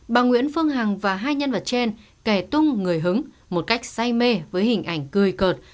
bà nguyễn phương hằng và hai nhân vật trên kẻ tung người hứng một cách say mê với hình ảnh cười cợt